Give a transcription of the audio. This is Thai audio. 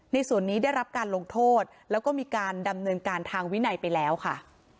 ในส่วนนี้ได้รับการลงโทษแล้วก็มีการดำเนินการทางวินัยไปแล้วค่ะ